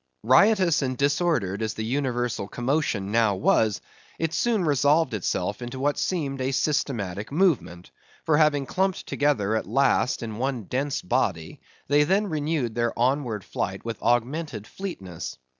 Riotous and disordered as the universal commotion now was, it soon resolved itself into what seemed a systematic movement; for having clumped together at last in one dense body, they then renewed their onward flight with augmented fleetness.